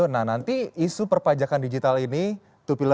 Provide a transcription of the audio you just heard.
nah nanti isu perpajakan digital ini